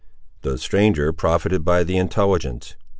The stranger profited by the intelligence.